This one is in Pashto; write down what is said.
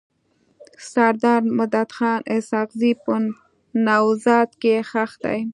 سردار مددخان اسحق زی په نوزاد کي ښخ دی.